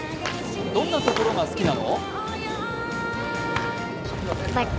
どんなところが好きなの？